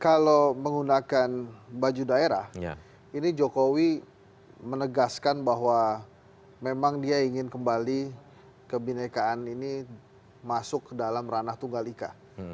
kalau menggunakan baju daerah ini jokowi menegaskan bahwa memang dia ingin kembali kebinekaan ini masuk ke dalam ranah tunggal ika